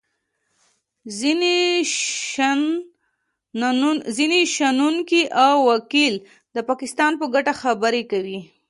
ځینې شنونکي او وکیل د پاکستان په ګټه خبرې کوي